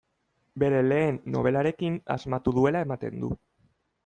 Bere lehen nobelarekin asmatu duela ematen du.